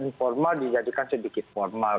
informal dijadikan sedikit formal